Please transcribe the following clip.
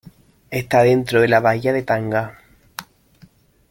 Está dentro de la bahía de Tanga.